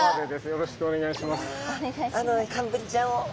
よろしくお願いします。